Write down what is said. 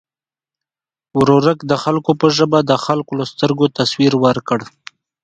ورورک د خلکو په ژبه د خلکو له سترګو تصویر ورکړ.